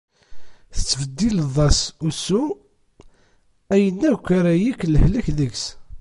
Tettbeddileḍ-as usu, ayen akk ara yekk lehlak deg-s.